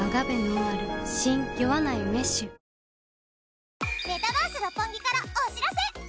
ニトリメタバース六本木からお知らせ！